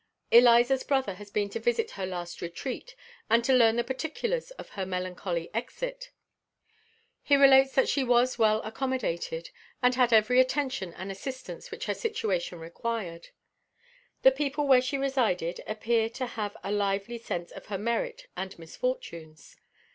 Eliza's brother has been to visit her last retreat, and to learn the particulars of her melancholy exit. He relates that she was well accommodated, and had every attention and assistance which her situation required. The people where she resided appear to have a lively sense of her merit and misfortunes.